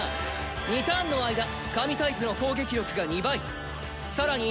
２ターンの間神タイプの攻撃力が２倍更に１